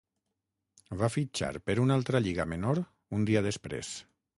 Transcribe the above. Va fitxar per una altra lliga menor un dia després.